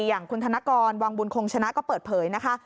อย่างคุณธนกรวังบุญคงชนะก็เปิดเผยนะคะ